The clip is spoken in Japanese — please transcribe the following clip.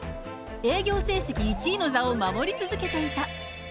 営業成績１位の座を守り続けていた。